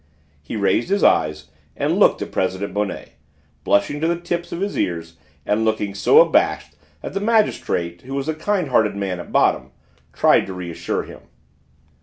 He raised his eyes and looked at President Bonnet, blushing to the tips of his ears and looking so abashed that the magistrate, who was a kind hearted man at bottom, tried to reassure him.